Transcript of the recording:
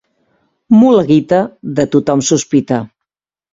Mula guita, de tothom sospita.